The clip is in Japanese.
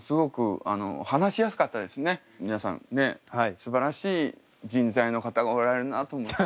すばらしい人材の方がおられるなと思って。